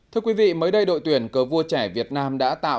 thưa quý vị mới đây đội tuyển cờ vua trẻ việt nam